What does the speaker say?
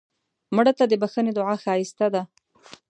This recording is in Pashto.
مړه ته د بښنې دعا ښایسته ده